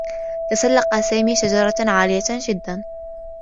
تسلّق سامي شجرة عالية جدّا.